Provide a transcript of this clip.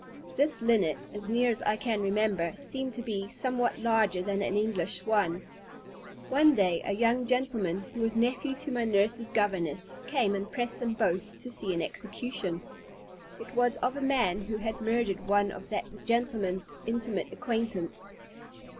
This linnet, as near as I can remember, seemed to be somewhat larger than an English swan. One day, a young gentleman, who was nephew to my nurse's governess, came and pressed them both to see an execution. It was of a man who had murdered one of that gentleman's intimate acquaintance.